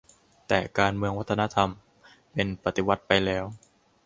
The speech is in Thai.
แต่การเมืองวัฒนธรรมเป็น 'ปฏิวัติ' ไปแล้ว